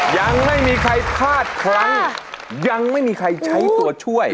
ยังไม่มีใครพลาดพลั้งยังไม่มีใครใช้ตัวช่วย